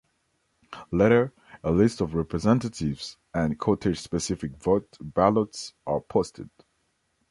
Later, a list of representatives and cottage-specific vote ballots are posted.